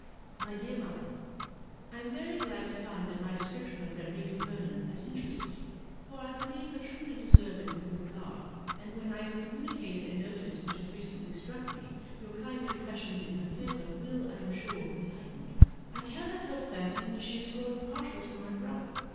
My dear Mother,—I am very glad to find that my description of Frederica Vernon has interested you, for I do believe her truly deserving of your regard; and when I have communicated a notion which has recently struck me, your kind impressions in her favour will, I am sure, be heightened. I cannot help fancying that she is growing partial to my brother.